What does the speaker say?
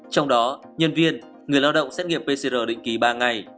trong đó nhân viên người lao động xét nghiệm pcr định kỳ ba ngày